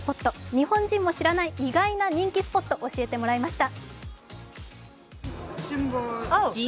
日本人も知らない意外な人気スポット教えてもらいました。